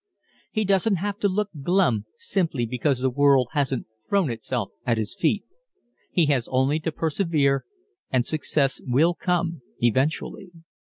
He doesn't have to look glum simply because the world hasn't thrown itself at his feet. He has only to persevere and success will come eventually.